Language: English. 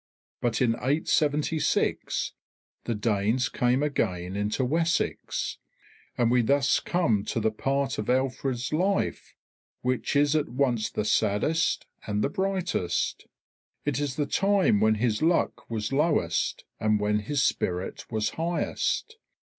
But in 876 the Danes came again into Wessex; and we thus come to the part of Alfred's life which is at once the saddest and the brightest. It is the time when his luck was lowest and when his spirit was highest.